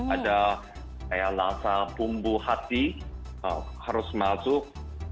ada kayak rasa bumbu hati harus masuk